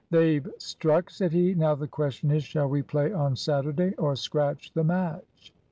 "They've struck," said he. "Now the question is, shall we play on Saturday, or scratch the match?"